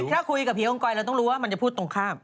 ถ้าคุยกับผีองกรเราต้องรู้ว่ามันจะพูดตรงข้าม